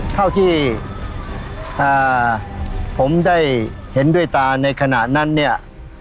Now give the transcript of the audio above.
เท่าที่ผมได้เห็นด้วยตาในขณะนั้นเนี่ย